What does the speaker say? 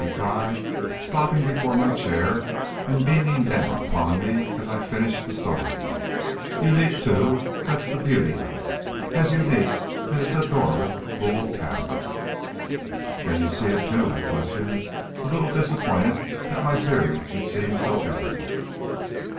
he cried, stopping before my chair and beaming down upon me, as I finished the story. "Unique, too; that's the beauty of it! As unique as this adorable Boule cabinet!" "Then you see it, too?" I questioned, a little disappointed that my theory should seem so evident.